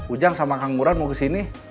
ujang sama kang buran mau kesini